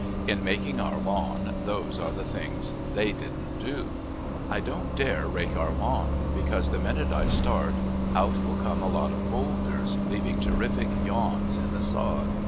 In making our lawn those are the things they didn't do. I don't dare rake our lawn, because the minute I start, out will come a lot of bolders, leaving terrific yawns in the sod.